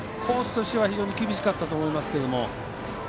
コースとしては非常に厳しかったと思いますが。